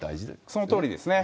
そのとおりですね。